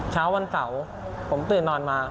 เช้าวันเสาร์ผมตื่นนอนมา